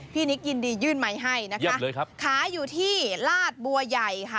พี่นิกยินดียื่นใหม่ให้นะคะเยี่ยมเลยครับขายอยู่ที่ลาดบัวใหญ่ค่ะ